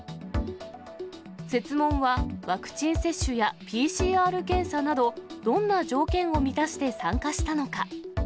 設問はワクチン接種やＰＣＲ検査など、どんな条件を満たして参加したのか。